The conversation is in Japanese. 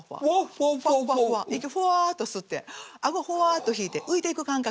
ファッファッ息ふわっと吸って顎ふわっと引いて浮いていく感覚。